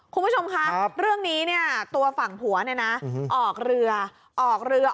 คุณผู้ชมคะเรื่องนี้เนี่ยตัวฝั่งผัวเนี่ยนะออกเรือออกเรือ